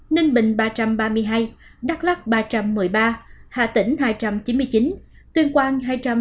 ninh bình ba trăm ba mươi hai đắk lắc ba trăm một mươi ba hà tĩnh hai trăm chín mươi chín tuyên quang hai trăm ba mươi